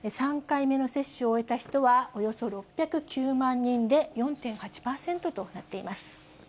３回目の接種を終えた人は、およそ６０９万人で、４．８％となっています。